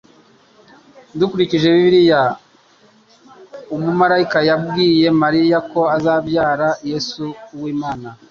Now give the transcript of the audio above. Dukurikije Bibiliya, umumarayika yabwiye Mariya ko azabyara Yesu w'Imana